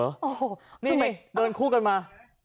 โหนี่เขาเดินคู่กันมา